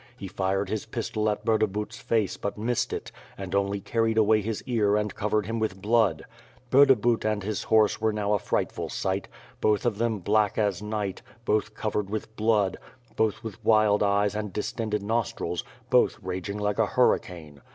He fired his pistol at Burdabut's face but missed it, and only carried away his ear and covered him with blood. Burdabut and his horse were now a frightful sight; both of them black as night, both covered with bipod, both with wild eyes and distended nostrils, both raging like a hurricane.